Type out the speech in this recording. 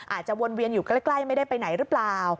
วนเวียนอยู่ใกล้ไม่ได้ไปไหนหรือเปล่า